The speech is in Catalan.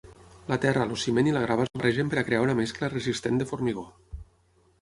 La terra, el ciment i la grava es barregen per crear una mescla resistent de formigó.